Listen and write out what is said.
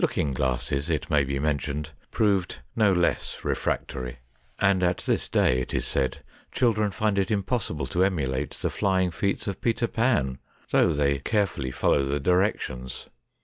Looking glasses, it may be men tioned, proved no less refractory, and at this day, it is said, children find it impossible to emulate the flying feats of " Peter Pan," though they carefully follow the directions.